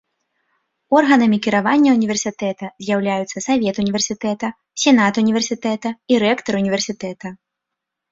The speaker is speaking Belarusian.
Органамі кіравання ўніверсітэта з'яўляюцца савет універсітэта, сенат універсітэта і рэктар універсітэта.